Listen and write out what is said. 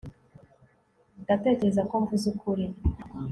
ndatekereza ko mvuze ukuri